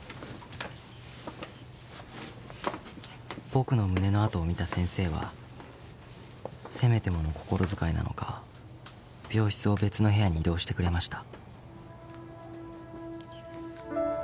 ［僕の胸の跡を見た先生はせめてもの心遣いなのか病室を別の部屋に移動してくれました］